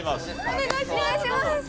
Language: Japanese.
お願いします！